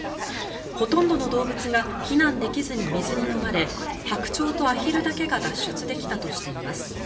ほとんどの動物が避難できずに水にのまれ白鳥とアヒルだけが脱出できたとしています。